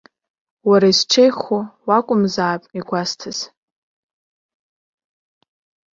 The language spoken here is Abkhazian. Уара изҽеихо уакәымзаап, игәасҭаз.